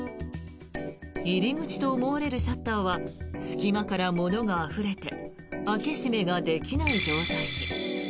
入り口と思われるシャッターは隙間から物があふれて開け閉めができない状態に。